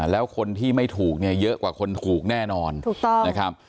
แล้วคนที่ไม่ถูกเนี่ยเยอะกว่าคนถูกแน่นอนถูกต้องนะครับ